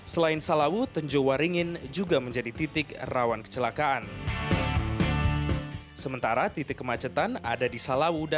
selain salawu tenjawa ringin juga menjadi titik longsor di daerah salawu